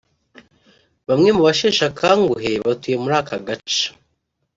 Bamwe mu basheshe akanguhe batuye muri aka gace